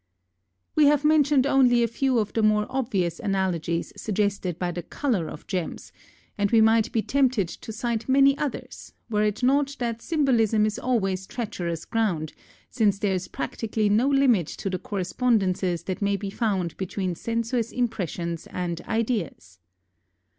We have mentioned only a few of the more obvious analogies suggested by the color of gems, and we might be tempted to cite many others were it not that symbolism is always treacherous ground, since there is practically no limit to the correspondences that may be found between sensuous impressions and ideas.